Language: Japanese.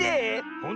ほんと？